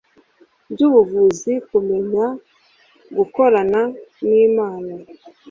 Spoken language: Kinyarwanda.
by’ubuvuzi kumenya gukorana n’Imana